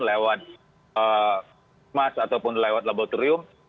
lewat mas ataupun lewat laboratorium